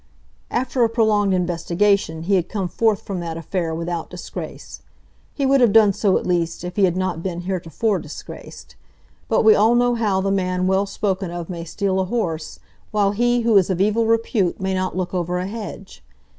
After a prolonged investigation he had come forth from that affair without disgrace. He would have done so, at least, if he had not been heretofore disgraced. But we all know how the man well spoken of may steal a horse, while he who is of evil repute may not look over a hedge.